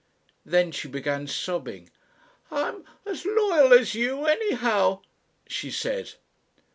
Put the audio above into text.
Then she began sobbing. "I'm ... as loyal as you ... anyhow," she said.